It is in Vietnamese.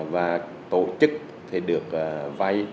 và tổ chức thì được vay